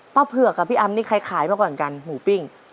เผือกกับพี่อำนี่ใครขายมาก่อนกันหมูปิ้ง